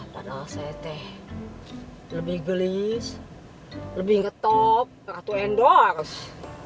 padahal saya teh lebih gelis lebih ngetop ratu endorse